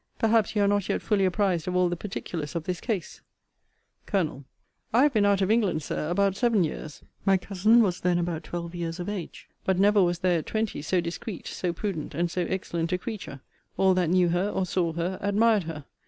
Perhaps you are not yet fully apprized of all the particulars of this case. Col. I have been out of England, Sir, about seven years. My cousin Clary was then about 12 years of age: but never was there at twenty so discreet, so prudent, and so excellent a creature. All that knew her, or saw her, admired her.